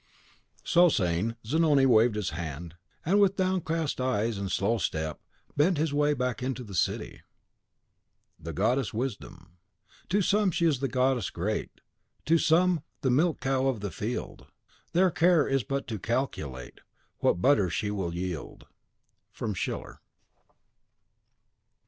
So saying, Zanoni waved his hand, and, with downcast eyes and a slow step, bent his way back into the city. CHAPTER 2.VIII. The Goddess Wisdom. To some she is the goddess great; To some the milch cow of the field; Their care is but to calculate What butter she will yield. From Schiller.